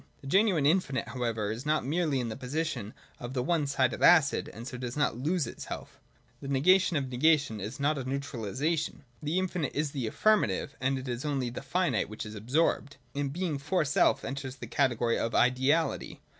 The genuine infinite however is not merely in the position of the one sided acid, and so does not lose itself The negation of negation is not a neutralisation : the infinite is the affirmative, and it is only the finite which is absorbed. In Being for self enters the category of Ideality.